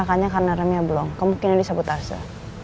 makanya karena remnya belum kemungkinan disabut asa